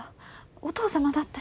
お義父様だって。